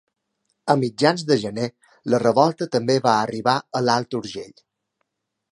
A mitjans de gener la revolta també va arribar a l'Alt Urgell.